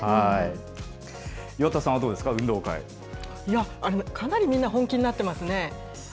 岩田さんはどうですか、運動かなりみんな、本気になってますね。